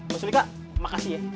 maksudnya kak makasih ya